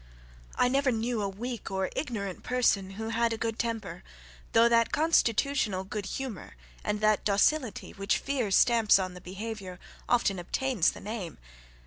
I never knew a weak or ignorant person who had a good temper, though that constitutional good humour, and that docility, which fear stamps on the behaviour, often obtains the name.